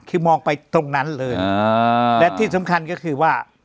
คือมองไปตรงนั้นเลยและที่สำคัญก็คือว่า